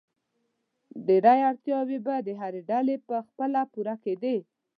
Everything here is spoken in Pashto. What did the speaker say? ډېری اړتیاوې به د هرې ډلې په خپله پوره کېدې.